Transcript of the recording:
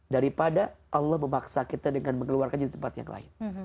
daripada allah memaksa kita dengan mengeluarkannya di tempat yang lain